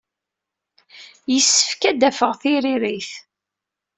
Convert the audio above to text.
Yessefk ad d-afeɣ tiririt.